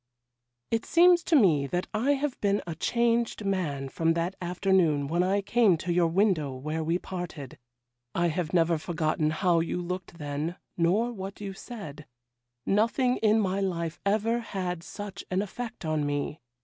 'It seems to me that I have been a changed man from that afternoon when I came to your window where we parted. I have never forgotten how you looked then, nor what you said; nothing in my life ever had such an effect on me.